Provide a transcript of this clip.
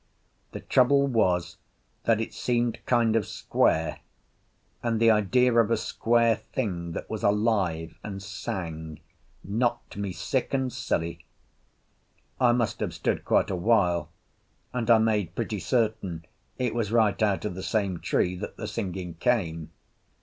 The trouble was that it seemed kind of square, and the idea of a square thing that was alive and sang knocked me sick and silly. I must have stood quite a while; and I made pretty certain it was right out of the same tree that the singing came.